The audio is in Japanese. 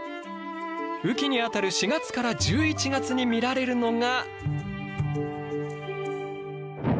雨期にあたる４月から１１月に見られるのが。